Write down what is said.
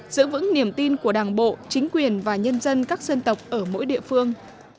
giữ vững niềm tin của đảng bộ chính quyền và nhân dân các dân tộc ở mỗi địa phương